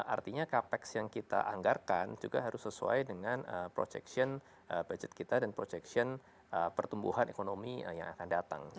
artinya capex yang kita anggarkan juga harus sesuai dengan projection budget kita dan projection pertumbuhan ekonomi yang akan datang